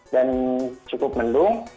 dan cukup mendung